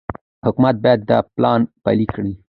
حکومت باید دا پلان پلي کړي.